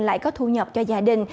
lại có thu nhập cho gia đình